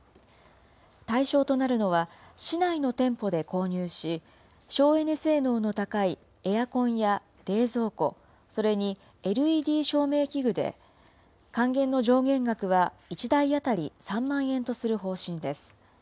対象となるのは、市内の店舗で購入し、省エネ性能の高いエアコンや冷蔵庫、それにＬＥＤ照明器具で、還元の上限額は１台当たり３万円とする方針です。